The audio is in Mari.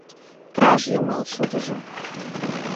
Краж йымал шудыжо